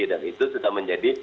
dan itu sudah menjadi